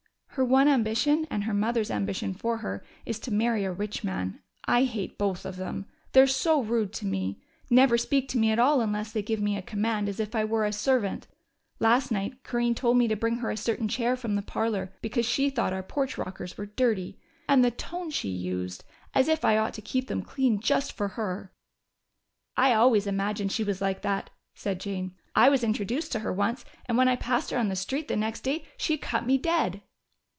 Her one ambition, and her mother's ambition for her, is to marry a rich man. I hate both of them. They're so rude to me never speak to me at all unless they give me a command as if I were a servant. Last night Corinne told me to bring her a certain chair from the parlor, because she thought our porch rockers were dirty. And the tone she used! As if I ought to keep them clean just for her!" "I always imagined she was like that," said Jane. "I was introduced to her once, and when I passed her on the street the next day she cut me dead."